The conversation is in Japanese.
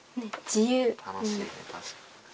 楽しいたしかに。